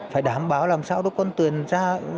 phải đảm bảo làm sao đối con thuyền ra khơi được